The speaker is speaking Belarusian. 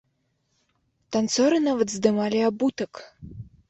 Танцоры нават здымалі абутак.